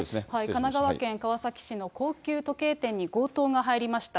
神奈川県川崎市の高級時計店に強盗が入りました。